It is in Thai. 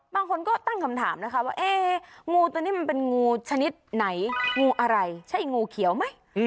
บางคนก็ตั้งคำถามนะคะว่าเอ๊ะงูตัวนี้มันเป็นงูชนิดไหนงูอะไรใช่งูเขียวไหม